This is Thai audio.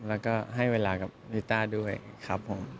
แล้วก็ให้เวลากับนิต้าด้วยครับผม